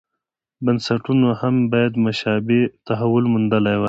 بنسټونو یې هم باید مشابه تحول موندلی وای.